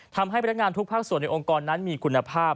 ทำให้พนักงานทุกภาคส่วนในองค์กรนั้นมีคุณภาพ